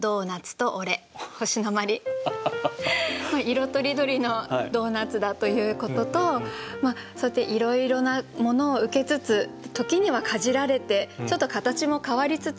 色とりどりのドーナツだということとそうやっていろいろなものを受けつつ時にはかじられてちょっと形も変わりつつ。